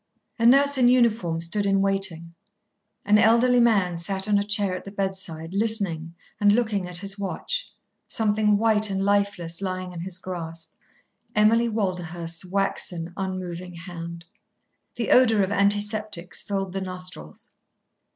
A nurse in uniform stood in waiting; an elderly man sat on a chair at the bedside, listening and looking at his watch, something white and lifeless lying in his grasp, Emily Walderhurst's waxen, unmoving hand. The odour of antiseptics filled the nostrils.